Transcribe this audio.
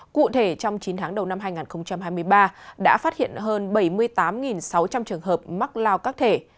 cụ thể trong chín tháng đầu năm hai nghìn hai mươi ba đã phát hiện hơn bảy mươi tám sáu trăm linh trường hợp mắc lao các thể